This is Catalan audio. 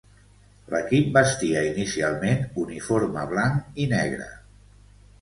L'equip vestia inicialment uniforme blanc i negre.